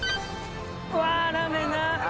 うわラーメンな。